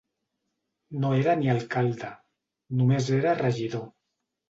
No era ni alcalde, només era regidor.